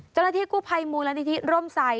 เจ้าหน้าที่กู้ภัยมูลนิธิร่มใส่